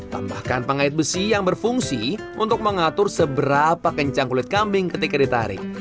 tambahkan pengait besi yang berfungsi untuk mengatur seberapa kencang kulit kambing ketika ditarik